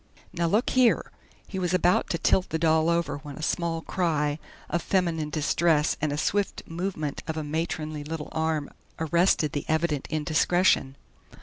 "Now look here" he was about to tilt the doll over when a small cry of feminine distress and a swift movement of a matronly little arm arrested the evident indiscretion.